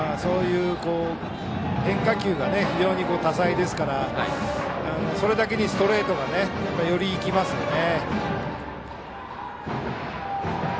変化球が非常に多彩ですからそれだけにストレートがより生きますよね。